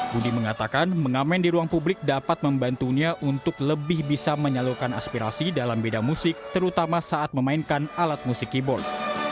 budi mengatakan mengamen di ruang publik dapat membantunya untuk lebih bisa menyalurkan aspirasi dalam beda musik terutama saat memainkan alat musik keyboard